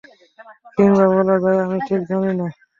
কিংবা বলা যায়, আমি ঠিক জানি না।